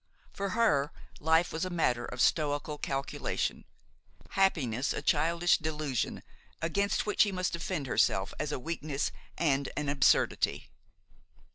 For her, life was a matter of stoical calculation, happiness a childish delusion against which she must defend herself as a weakness and an absurdity.